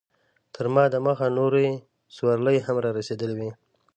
تر ما دمخه نورې سورلۍ هم رارسېدلې وې.